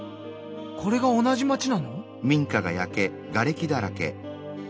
これが同じ町なの？